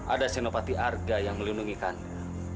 ada senopati arga yang melindungi kandang